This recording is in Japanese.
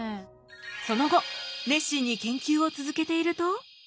その後熱心に研究を続けていると。